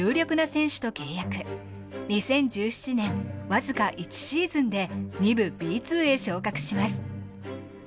２０１７年僅か１シーズンで２部Ｂ２へ昇格します。